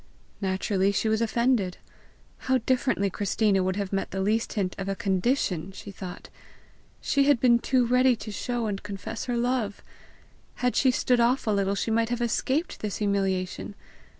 Naturally, she was offended. How differently Christina would have met the least hint of a CONDITION, she thought. She had been too ready to show and confess her love! Had she stood off a little, she might have escaped this humiliation!